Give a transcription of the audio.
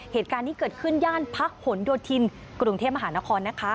เหตุการณ์นี้เกิดขึ้นย่านพักหนโยธินกรุงเทพมหานครนะคะ